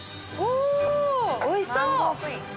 おいしそう！